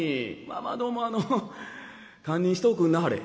まあまあどうもあの堪忍しておくんなはれ」。